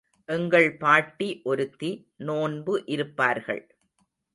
எங்கள் பாட்டி ஒருத்தி நோன்பு இருப்பார்கள்.